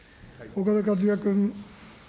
岡田克也君。